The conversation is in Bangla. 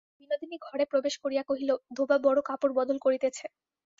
বিনোদিনী ঘরে প্রবেশ করিয়া কহিল, ধোবা বড়ো কাপড় বদল করিতেছে।